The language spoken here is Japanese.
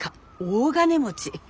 大金持ち。